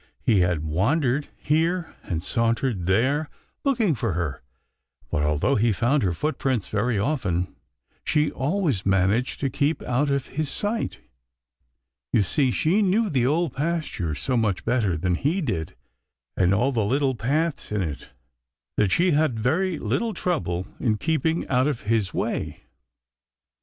He had wandered here and sauntered there, looking for her, but although he found her footprints very often, she always managed to keep out of his sight, You see, she knew the Old Pasture so much better than he did, and all the little paths in it, that she had very little trouble in keeping out of his way.